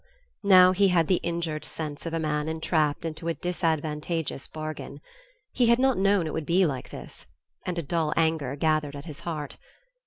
Now he had the injured sense of a man entrapped into a disadvantageous bargain. He had not known it would be like this; and a dull anger gathered at his heart.